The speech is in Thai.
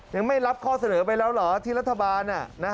ยังไม่รับข้อเสนอไปแล้วเหรอที่รัฐบาล